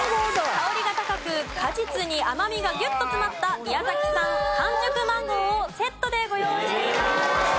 香りが高く果実に甘みがギュッと詰まった宮崎産完熟マンゴーをセットでご用意しています。